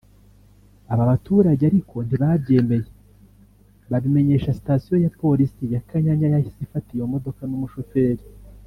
Aba baturage ariko ntibabyemeye babimenyesha station ya polisi ya Kanyanya yahise ifata iyo modoka n’umushoferi